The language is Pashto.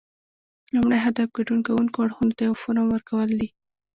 لومړی هدف ګډون کوونکو اړخونو ته یو فورم ورکول دي